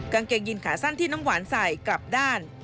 กางเกงยินขาสั้นที่น้ำหวานใส่กลับด้าน